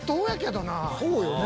そうよね。